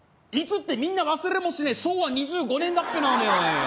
いつってみんな忘れもしねえ昭和２５年だっぺなおめえ。